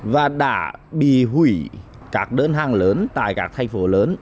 và đã bị hủy các đơn hàng lớn tại các thành phố lớn